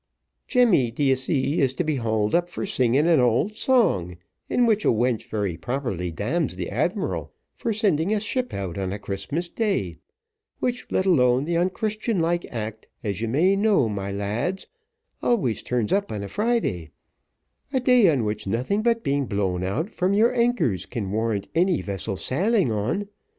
Jemmy, d'ye see, is to be hauled up for singing an old song, in which a wench very properly damns the admiral for sending a ship out on a Christmas day, which, let alone the unchristian like act, as you may know, my lads, always turns up on a Friday, a day on which nothing but being blown out from your anchors can warrant any vessel sailing on.